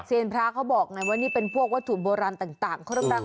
เศรษฐพหาเขาบอกว่านี่เป็นพวกวัตถุโบราณต่าง